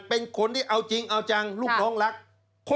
เป็นคนที่เอาจริงเอาจังลูกน้องรัก